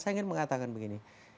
saya ingin mengatakan begini